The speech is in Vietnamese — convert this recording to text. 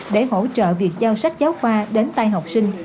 để hỗ trợ việc giao sách giáo khoa đến tay học sinh